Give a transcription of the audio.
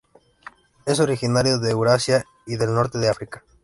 Es originario de Eurasia y del norte de África.